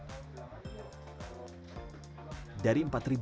dan juga melakukan penelitian